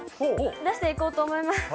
出していこうと思います。